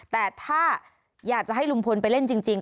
แต่ถ้าอยากจะให้ลุงพลไปเล่นจริง